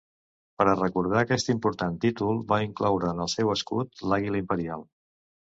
Per a recordar aquest important títol va incloure en el seu escut l'àguila imperial.